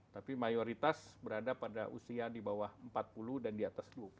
tapi mayoritas berada pada usia di bawah empat puluh dan di atas dua puluh